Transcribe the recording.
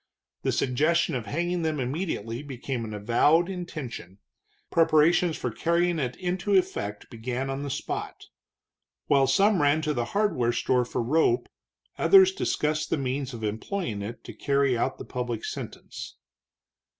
The suggestion of hanging them immediately became an avowed intention; preparations for carrying it into effect began on the spot. While some ran to the hardware store for rope, others discussed the means of employing it to carry out the public sentence.